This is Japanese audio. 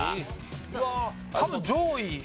多分上位。